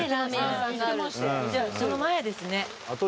じゃあその前ですね。